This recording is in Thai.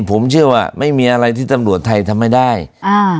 ผมเชื่อว่าไม่มีอะไรที่ตำรวจไทยทำไม่ได้อ่า